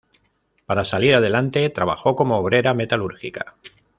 Para salir adelante trabajó como obrera metalúrgica.